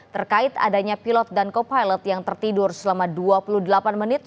terkait adanya pilot dan co pilot yang tertidur selama dua puluh delapan menit